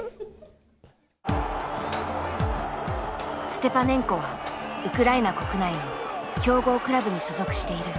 ステパネンコはウクライナ国内の強豪クラブに所属している。